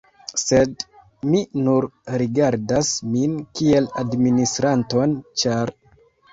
Sed mi nur rigardas min kiel administranton, ĉar.